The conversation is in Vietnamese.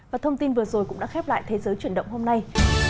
và thông tin vừa rồi cũng đã khép lại thế giới chuyển động hôm nay